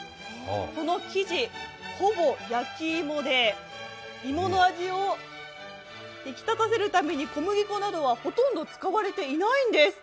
この生地、ほぼ焼き芋で、芋の味を引き立たせるために小麦粉などはほとんど使われていないんです。